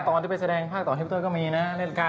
ตอนที่ไปแสดงภาคต่อฮารี่พอตเตอร์ก็มีน่ะเล่นกล้า